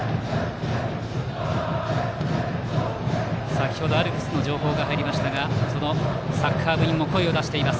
先程、アルプスの情報が入りましたがサッカー部員も声を出しています。